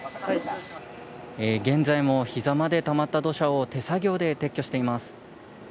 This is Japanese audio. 現在もひざまでたまった土砂を手作業で撤去しています。